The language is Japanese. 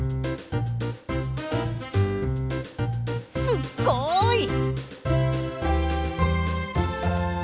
すっごい！